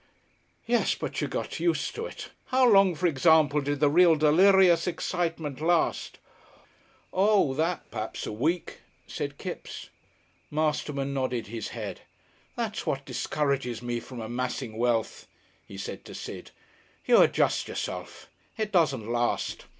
"Yes. But you got used to it. How long, for example, did the real delirious excitement last?" "Oo, that! Perhaps a week," said Kipps. Masterman nodded his head. "That's what discourages me from amassing wealth," he said to Sid. "You adjust yourself. It doesn't last.